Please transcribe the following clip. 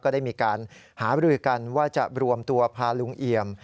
ได้มีการหาบริกันว่าจะรวมตัวพาลุงเอี่ยม